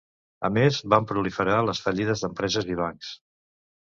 A més, van proliferar les fallides d'empreses i bancs.